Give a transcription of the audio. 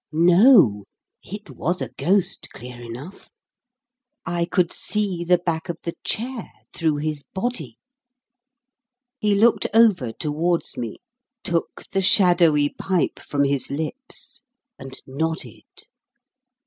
No! It was a ghost, clear enough. I could see the back of the chair through his body. He looked over towards me, took the shadowy pipe from his lips, and nodded.